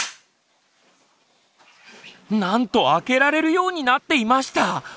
なんと開けられるようになっていました！